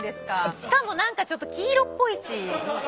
しかも何かちょっと黄色っぽいし。